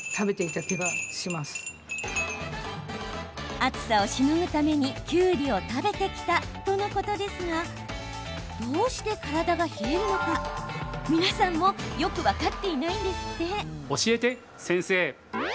暑さをしのぐために、きゅうりを食べてきたとのことですがどうして体が冷えるのか皆さんもよく分かっていないんですって。